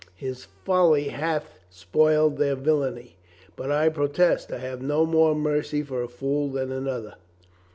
His folly hath spoiled their villainy. But I protest I have no more mercy for a fool than another."